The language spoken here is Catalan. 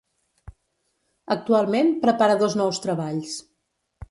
Actualment, prepara dos nous treballs.